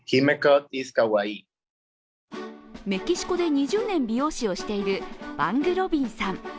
メキシコで２０年美容師をしているバングロビンさん。